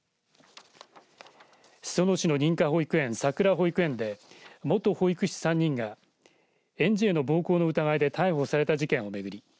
裾野市の認可保育園さくら保育園で元保育士３人が園児への暴行の疑いで逮捕された事件を巡り